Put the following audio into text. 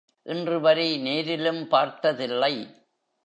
இன்றுவரை நேரிலும் பார்த்ததில்லை.